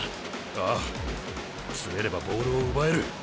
ああ詰めればボールを奪える。